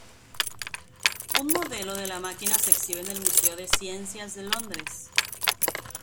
Un modelo de la máquina se exhibe en el Museo de Ciencias de Londres.